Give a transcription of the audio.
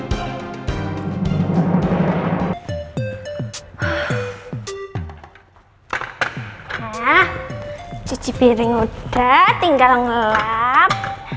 nah cuci piring udah tinggal ngelap